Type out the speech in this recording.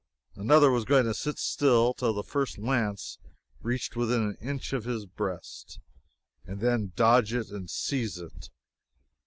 Another was going to sit still till the first lance reached within an inch of his breast, and then dodge it and seize it.